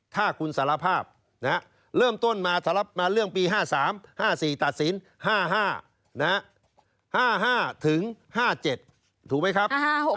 ถ้าคุณสารภาพเริ่มต้นมาเรื่องปี๕๓๕๔ตัดสิน๕๕ถึง๕๕๗ถูกไหมครับ